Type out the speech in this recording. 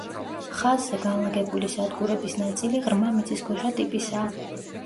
ხაზზე განლაგებული სადგურების ნაწილი ღრმა მიწისქვეშა ტიპისაა.